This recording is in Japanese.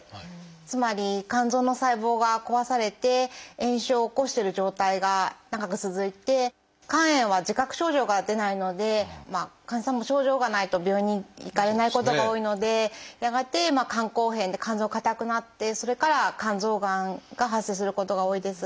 つまり肝臓の細胞が壊されて炎症を起こしてる状態が長く続いて肝炎は自覚症状が出ないので患者さんも症状がないと病院に行かれないことが多いのでやがて肝硬変で肝臓硬くなってそれから肝臓がんが発生することが多いです。